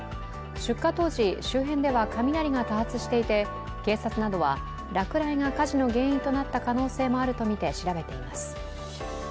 出火当時、周辺では雷が多発していて警察などは落雷が火事の原因となった可能性もあるとみて調べています。